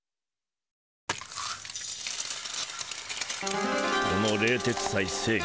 心の声この冷徹斎星月